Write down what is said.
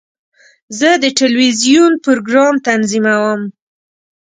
زه د ټلویزیون پروګرام تنظیموم.